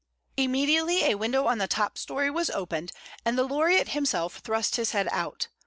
Immediately a window on the top story was opened, and the laureate himself thrust his head out.